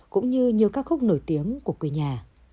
cũng như nhiều ca khúc nổi tiếng của quê nhà